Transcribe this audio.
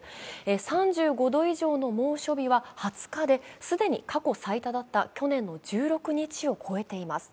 ３５度以上の猛暑日は２０日で既に過去最多だった去年の１６日を超えています。